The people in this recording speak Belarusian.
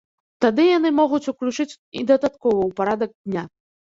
Тады яны могуць уключыць і дадаткова ў парадак дня.